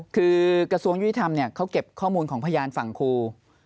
คือกระทรวงยุติธรรมเขาเก็บข้อมูลของพยานฝั่งครู